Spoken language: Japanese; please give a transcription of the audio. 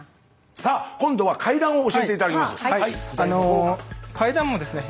さあ今度は階段を教えて頂きます。